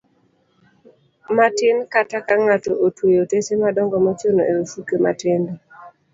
matin kata ka ng'ato otweyo otese madongo mochuno e ofuke matindo